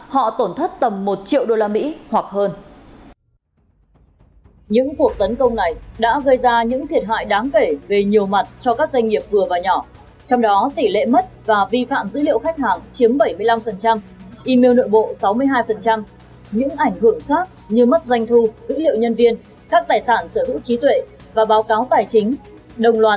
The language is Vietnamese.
họ tổn thất tầm một triệu usd hoặc hơn